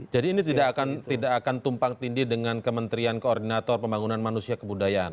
jadi ini tidak akan tumpang tindih dengan kementerian koordinator pembangunan manusia kebudayaan